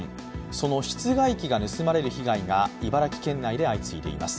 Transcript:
その室外機が盗まれる被害が茨城県内で相次いでいます。